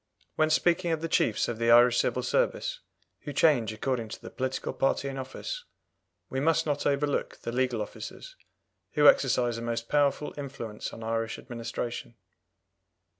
When speaking of the chiefs of the Irish Civil Service, who change according to the political party in office, we must not overlook the legal officers, who exercise a most powerful influence on Irish administration.